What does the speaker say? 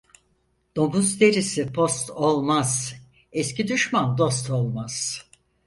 Domuz derisi post olmaz, eski düşman dost olmaz.